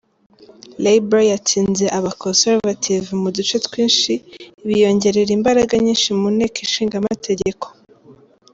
Labour yatsinze aba Conservative mu duce twinshi biyongerera imbaraga nyinshi mu nteko ishinga amategeko.